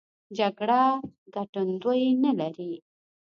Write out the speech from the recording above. جګړه ګټندوی نه لري.